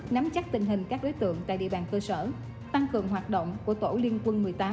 nắm chắc tình hình các đối tượng tại địa bàn cơ sở tăng cường hoạt động của tổ liên quân một mươi tám